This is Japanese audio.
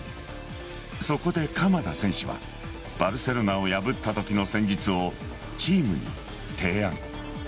そこで鎌田選手はバルセロナを破ったときの戦術をチームに提案。